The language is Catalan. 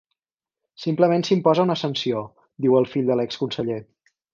Simplement s’imposa una sanció, diu el fill de l’ex-conseller.